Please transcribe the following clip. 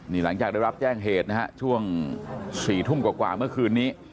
นี่หลังจากได้รับแจ้งเหตุนะฮะช่วง๔ทุ่มกว่าเมื่อคืนนี้